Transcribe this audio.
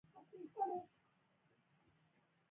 غږ د وخت ژبه ده